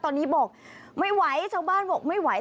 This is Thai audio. ตอนนี้บอกไม่ไหวชาวบ้านบอกไม่ไหว